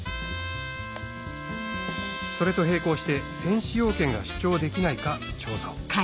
それと並行して先使用権が主張できないか調査を。